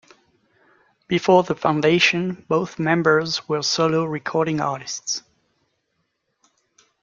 Before the foundation, both members were solo recording artists.